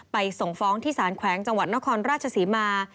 ส่งฟ้องที่สารแขวงจังหวัดนครราชศรีมา